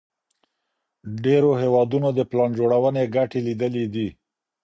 ډېرو هېوادونو د پلان جوړوني ګټي ليدلي دي.